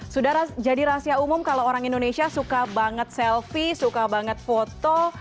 sudah jadi rahasia umum kalau orang indonesia suka banget selfie suka banget foto